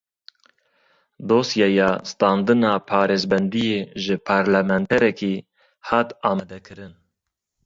Dosyeya standina parêzbendiyê ji parlamenterekî hat amadekirin.